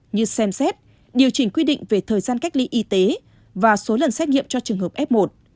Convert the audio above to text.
như xem xét điều chỉnh quy định về thời gian cách ly y tế và số lần xét nghiệm cho trường hợp f một